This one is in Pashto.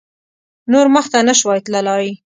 نور مخته نه شوای تللای.